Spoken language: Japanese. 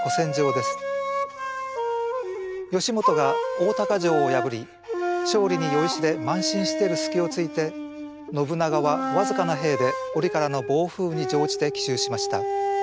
義元が大高城を破り勝利に酔いしれ慢心している隙をついて信長はわずかな兵で折からの暴風雨に乗じて奇襲しました。